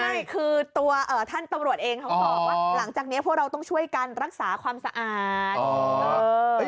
ใช่คือตัวท่านตำรวจเองเขาบอกว่าหลังจากนี้พวกเราต้องช่วยกันรักษาความสะอาด